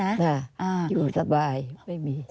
อันดับ๖๓๕จัดใช้วิจิตร